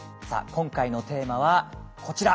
今回のテーマはこちら！